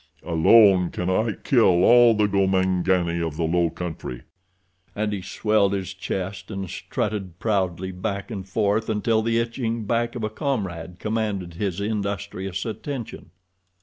Alone can I kill all the Gomangani of the low country," and he swelled his chest and strutted proudly back and forth, until the itching back of a comrade commanded his industrious attention.